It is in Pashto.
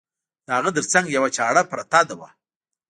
د هغه تر څنګ یوه چاړه پرته وه.